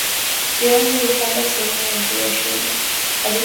viazi hupandwa sehemu ya juu ya shina kwa ajili ya mavuno bora